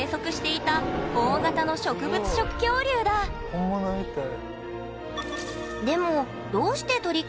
本物みたい。